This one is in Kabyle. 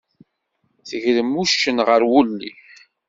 Tegrem uccen gar wulli.